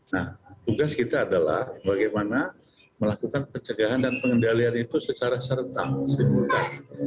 nah tugas kita adalah bagaimana melakukan pencegahan dan pengendalian itu secara serta simultan